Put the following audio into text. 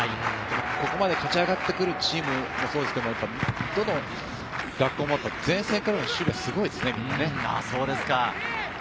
ここまで勝ち上がってくるチームもそうですが、どの学校も前線からの守備がすごいですね。